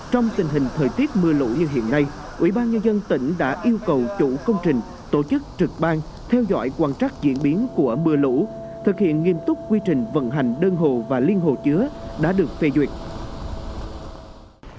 trong tình hình thời tiết mưa lũ như hiện nay ủy ban nhân dân tỉnh đã yêu cầu chủ công trình tổ chức trực ban theo dõi quan trắc diễn biến của mưa lũ thực hiện nghiêm túc quy trình vận hành đơn hồ và liên hồ chứa đã được phê duyệt